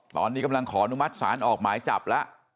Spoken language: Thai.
ตอนนี้กำลังขออนุมัติศาลออกหมายจับแล้ว